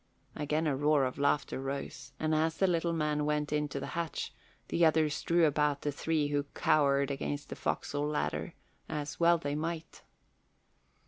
Again a roar of laughter rose, and as the little man went in to the hatch, the others drew about the three who cowered against the forecastle ladder, as well they might.